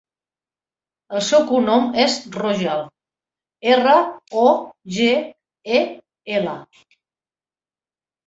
El seu cognom és Rogel: erra, o, ge, e, ela.